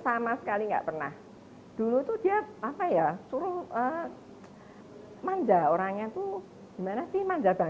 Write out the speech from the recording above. sampai sekarang pun orangnya kan gitu kan